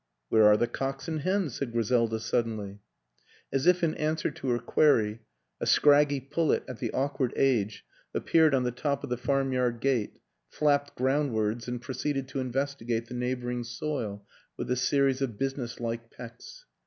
"Where are the cocks and hens?" said Gri selda suddenly. As if in answer to her query, a scraggy pullet at the awkward age appeared on the top of the farmyard gate, flapped ground wards and proceeded to investigate the neighbor ing soil with a series of businesslike pecks.